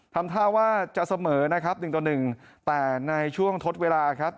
ทำท่าว่าจะเสมอนะครับ๑ต่อ๑แต่ในช่วงทดเวลาครับ